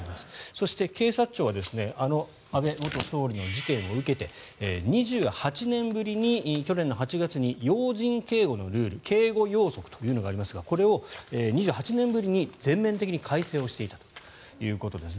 そして、警察庁はあの安倍元総理の事件を受けて２８年ぶりに去年８月に要人警護のルール警護要則というのがありますがこれを２８年ぶりに全面的に改正していたということです。